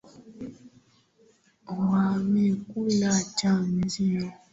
Wamekula chajio